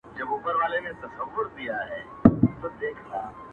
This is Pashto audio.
عقلي علوم زده کول